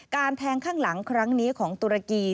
แทงข้างหลังครั้งนี้ของตุรกี